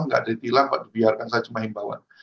tidak ada yang hilang pak dibiarkan saja cuma imbauan